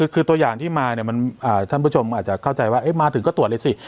คือตัวอย่างที่มาเนี่ยท่านผู้ชมอาจจะเข้าใจว่ามาถึงก็ตรวจเลยสิ